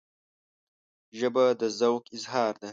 ژبه د ذوق اظهار ده